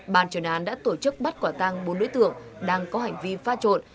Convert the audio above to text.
bàn truyền án đã tổ chức bắt quả tăng bốn đối tượng đang có hành vi pha trộn